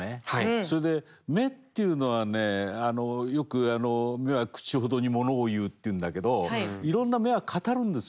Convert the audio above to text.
それで目っていうのはねよく「目は口ほどにものを言う」っていうんだけどいろんなうん。